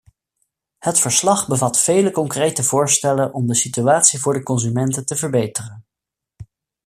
Het verslag bevat vele concrete voorstellen om de situatie voor de consumenten te verbeteren.